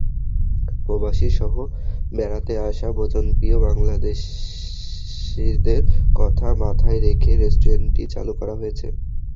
প্রবাসীসহ বেড়াতে আসা ভোজনপ্রিয় বাংলাদেশিদের কথা মাথায় রেখে রেস্টুরেন্টটি চালু করা হয়েছে।